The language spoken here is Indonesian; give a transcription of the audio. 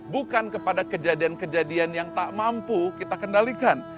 bukan kepada kejadian kejadian yang tak mampu kita kendalikan